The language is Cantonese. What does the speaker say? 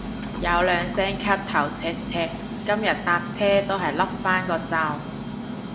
有兩聲咳頭赤赤，今日搭車都係笠返個罩